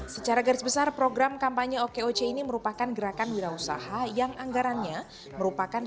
secara garis besar program kampanye okeoce ini merupakan gerakan wirausaha yang anggarannya merupakan